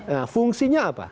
nah fungsinya apa